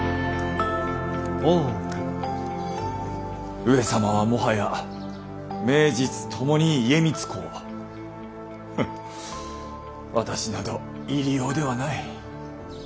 上様はもはや名実ともに家光公私など入用ではない。